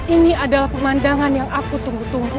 ini adalah pemandangan yang aku tunggu tunggu